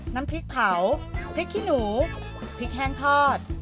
น้ำพริกเผาพริกขี้หนูพริกแห้งทอด